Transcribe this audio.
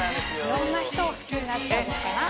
色んな人好きになっちゃうのかな